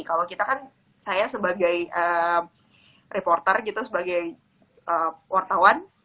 kalau kita kan saya sebagai reporter gitu sebagai wartawan